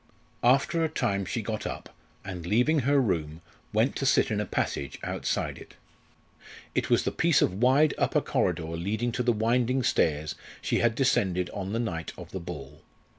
After a time she got up, and leaving her room, went to sit in a passage outside it. It was the piece of wide upper corridor leading to the winding stairs she had descended on the night of the ball.